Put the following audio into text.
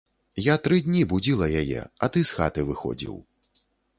Я тры дні будзіла яе, а ты з хаты выходзіў.